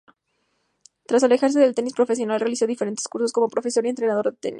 Tras alejarse del tenis profesional realizó diferentes cursos como profesor y entrenador de tenis.